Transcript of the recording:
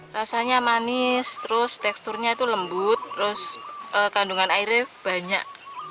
rasanya manis terus teksturnya itu lembut terus kandungan airnya banyak